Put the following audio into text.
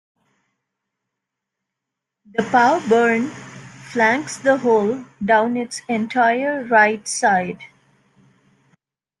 The Pow Burn flanks the hole down its entire right side.